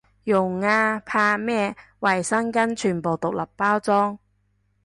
用啊，怕咩，衛生巾全部獨立包裝